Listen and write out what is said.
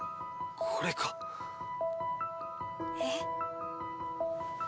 これかえっ？